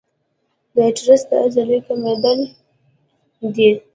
د ایټریسي د عضلې کمېدل دي.